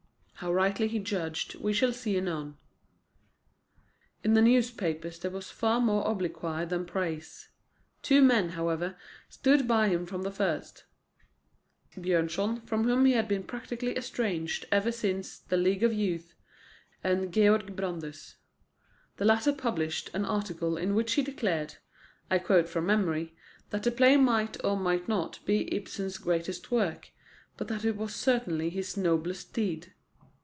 How rightly he judged we shall see anon. In the newspapers there was far more obloquy than praise. Two men, however, stood by him from the first: Björnson, from whom he had been practically estranged ever since The League of Youth, and Georg Brandes. The latter published an article in which he declared (I quote from memory) that the play might or might not be Ibsen's greatest work, but that it was certainly his noblest deed.